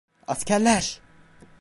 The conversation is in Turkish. Askerler!